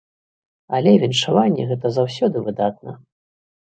Але віншаванні гэта заўсёды выдатна.